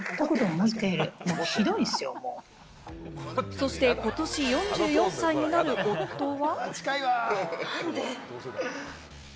そして、ことし４４歳になる夫は。